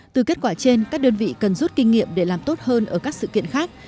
từ kết quả trên các đơn vị cần rút kinh nghiệm để làm tốt hơn ở các sự kiện khác